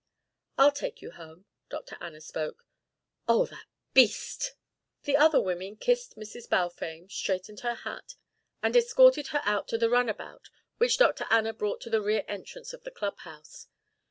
"I'll take you home," Dr. Anna spoke. "Oh, that beast!" The other women kissed Mrs. Balfame, straightened her hat, and escorted her out to the runabout which Dr. Anna brought to the rear entrance of the clubhouse.